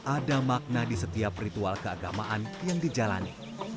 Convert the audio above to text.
ada makna di setiap ritual keagamaan yang dijalani